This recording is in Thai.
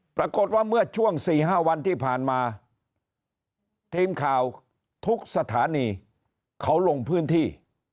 ปรากฏว่าเมื่อช่วง๔๕วันที่ผ่านมาทีมข่าวทุกสถานีเขาลงพื้นที่